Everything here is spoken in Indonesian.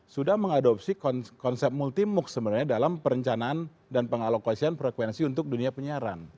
sudah mengadopsi konsep multi mooc sebenarnya dalam perencanaan dan pengalokasian frekuensi untuk dunia penyiaran